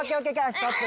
ストップ！